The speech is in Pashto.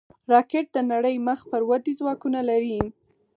راکټ د نړۍ مخ پر ودې ځواکونه لري